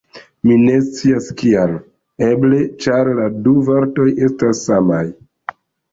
Mi ne scias kial. Eble ĉar la du vortoj estas samaj!